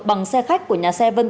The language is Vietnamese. bằng xe khách của nhà xe khách